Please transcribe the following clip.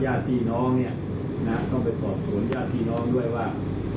ญาติน้องเนี่ยต้องไปสอบฝนญาติน้องด้วยว่า